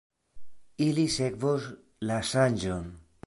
Ili sekvos la ŝanĝon.